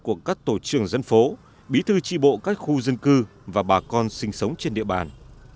các tổ trường dân phố bí thư trị bộ các khu dân cư và bà con sinh sống trên địa bàn